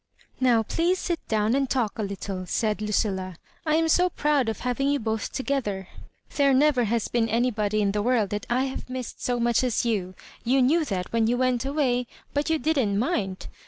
"Now, please sit down and talk a little," said Lucilla ;" I am so proud of having you both to gether. There never has been anybody in the world that I have missed so much as you — you knew that when you went away, but you didn't mind.